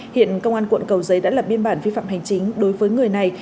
hiện công an quận cầu giấy đã lập biên bản vi phạm hành chính đối với người này